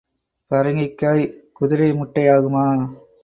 பரங்கிங்காய் குதிரை முட்டை ஆகுமா?